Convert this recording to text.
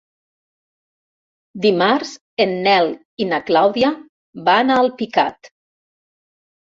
Dimarts en Nel i na Clàudia van a Alpicat.